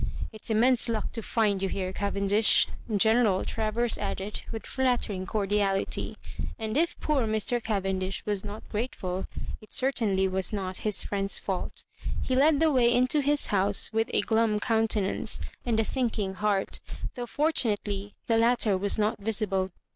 It's immense luck to find you here, Cavendish," General Travers added, with flattering cordiality ; and if poor Mr. Caven dish was not grateful, it certamly was not his friend's fault. He led the way into his house with a glum countenance and a sinking heart, though fortunately the latter was not visible.